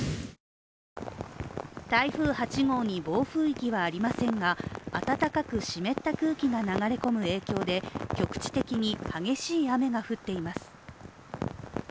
台風８号に暴風域はありませんが暖かく湿った空気が流れ込む影響で局地的に激しい雨が降っています。